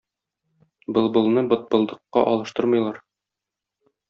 Былбылны бытбылдыкка алыштырмыйлар.